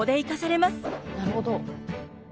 なるほど。